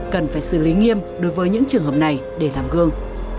cần phải xử lý nghiêm đối với những trường hợp này để làm gương